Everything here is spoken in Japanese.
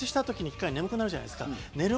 退屈した時に１回眠くなるじゃないですか。